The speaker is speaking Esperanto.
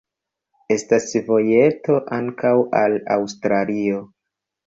Estas vojeto ankaŭ al Aŭstrio.